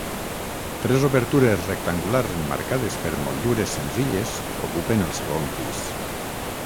Tres obertures rectangulars emmarcades per motllures senzilles ocupen el segon pis.